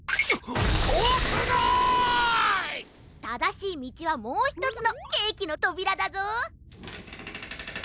ただしいみちはもうひとつのケーキのとびらだぞ。